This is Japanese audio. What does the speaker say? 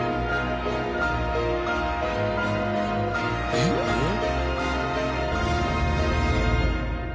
えっ？えっ？